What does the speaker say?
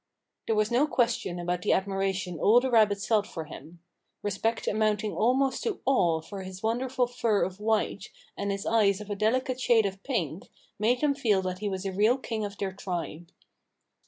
There was no question about the admiration all the rabbits felt for him. Respect amounting almost to awe for his wonderful fur of white, and his eyes of a delicate shade of pink, made them feel that he was a real king of their tribe.